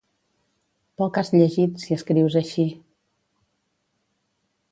Poc has llegit, si escrius així.